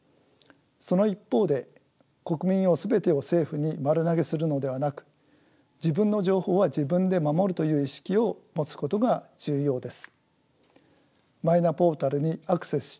その一方で国民も全てを政府に丸投げするのではなく自分の情報は自分で守るという意識を持つことが重要です。